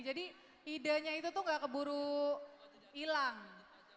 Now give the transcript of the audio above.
jadi idenya itu tuh gak keburu hilang